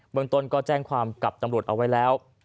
เมืองต้นก็แจ้งความกับตำรวจเอาไว้แล้ว